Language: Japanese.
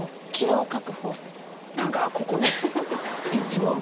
何かあっここの。